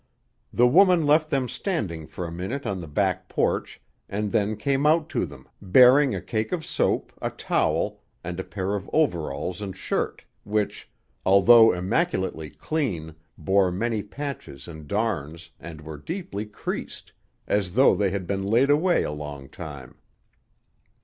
The woman left them standing for a minute on the back porch, and then came out to them, bearing a cake of soap, a towel, and a pair of overalls and shirt, which, although immaculately clean, bore many patches and darns, and were deeply creased, as though they had been laid away a long time.